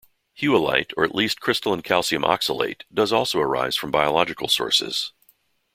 Whewellite, or at least crystalline calcium oxalate, does also arise from biological sources.